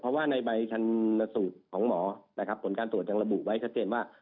เพราะว่าในใบชันสูตรของหมอนะครับผลการตรวจยังระบุไว้ชัดเจนว่า